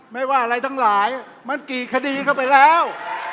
ไม่ว่าอะไรทั้งหลายมันกี่คดีเข้าไปแล้ว